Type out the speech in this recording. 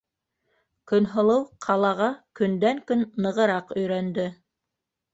Көнһылыу ҡалаға көндән-көн нығыраҡ өйрәнде.